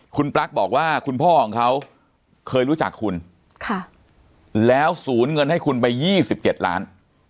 คุณปลั๊กบอกว่าคุณพ่อของเขาเคยรู้จักคุณแล้วสูญเงินให้คุณไป๒๗ล้าน